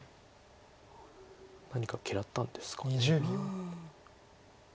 何か嫌ったんですか。